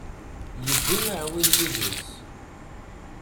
Yewwi aεwin yid-s